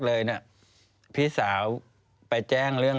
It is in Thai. แล้วเขาสร้างเองว่าห้ามเข้าใกล้ลูก